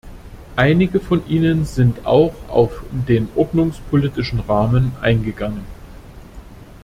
Einige von Ihnen sind auch auf den ordnungspolitischen Rahmen eingegangen.